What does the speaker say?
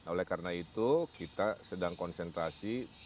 oleh karena itu kita sedang konsentrasi